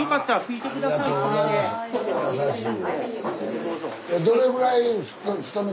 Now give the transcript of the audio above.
優しい。